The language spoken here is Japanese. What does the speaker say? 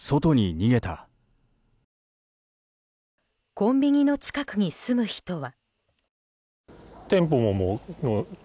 コンビニの近くに住む人は。